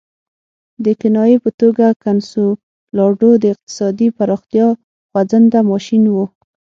د کنایې په توګه کنسولاډو د اقتصادي پراختیا خوځنده ماشین وو.